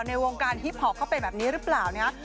ในวงการฮิปพอปเข้าไปแบบนี้หรือเปล่านะฮะ